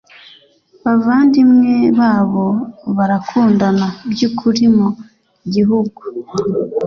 bavandimwe babo barakundana by ukuri mu gihugu